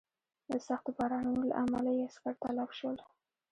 د سختو بارانونو له امله یې عسکر تلف شول.